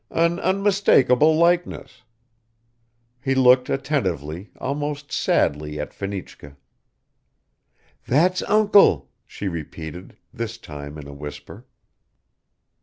"An unmistakable likeness." He looked attentively, almost sadly at Fenichka. "That's uncle," she repeated, this time in a whisper.